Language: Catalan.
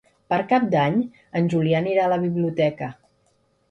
Per Cap d'Any en Julià anirà a la biblioteca.